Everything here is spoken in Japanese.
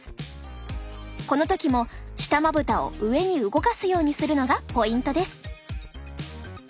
この時も下まぶたを上に動かすようにするのがポイントです。